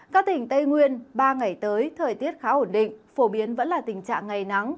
các tỉnh tây nguyên ba ngày tới thời tiết khá ổn định phổ biến vẫn là tình trạng ngày nắng